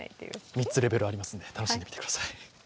３つ、レベルありますので、楽しんでください。